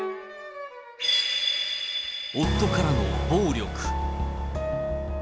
夫からの暴力。